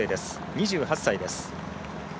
２８歳です。